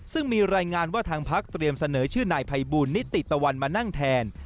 ซึ่งมีรายงานว่าทางพักเตรียมเสนอชื่อนายภัยบูลนิติตะวันมานั่งแทน